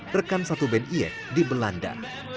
rekan satu band iyek di belanda